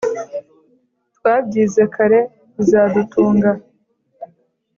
twabyize kare bizadutunga! »